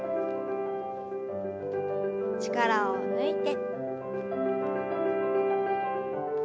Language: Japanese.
力を抜いて。